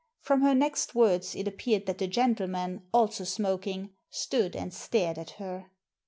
From her next words it appeared that the gentleman, also smoking, stood and stared at her.